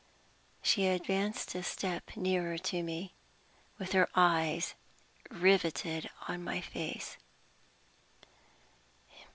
She advanced a step nearer to me, with her eyes riveted on my face.